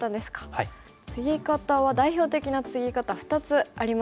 ツギ方は代表的なツギ方２つありますかね。